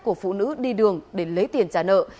của phụ nữ đi đường để lấy tiền trả nợ